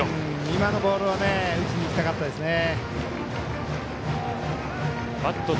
今のボールは打ちにいきたかったですね。